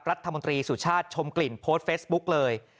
รัฐมนตรีสุชาติชมกลิ่นโพสต์เฟซบุ๊กเลย